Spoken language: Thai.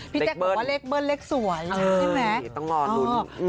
พี่แต๊กบอกว่าเลขเบิ้ลเล็กสวยใช่ไหม